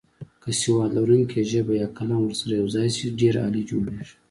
که سواد لرونکې ژبه یا قلم ورسره یوځای شي ډېر عالي جوړیږي.